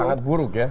sangat buruk ya